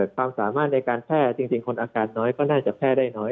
ความสามารถในการแพร่จริงคนอาการน้อยก็น่าจะแพร่ได้น้อย